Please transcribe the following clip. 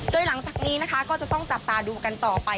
โดยหลังจากนี้นะคะก็จะต้องจับตาดูกันต่อไป